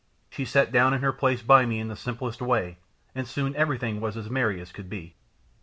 She sat down in her place by me in the simplest way, and soon everything was as merry as could be.